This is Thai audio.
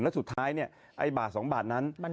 แล้วสุดท้ายเนี่ยไอ้บาท๒บาทนั้น